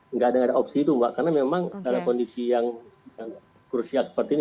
nggak ada opsi itu mbak karena memang dalam kondisi yang krusial seperti ini